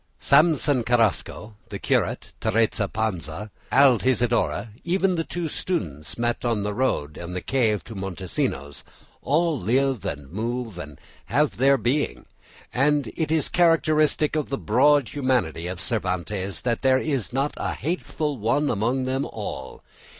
Samson Carrasco, the curate, Teresa Panza, Altisidora, even the two students met on the road to the cave of Montesinos, all live and move and have their being; and it is characteristic of the broad humanity of Cervantes that there is not a hateful one among them all.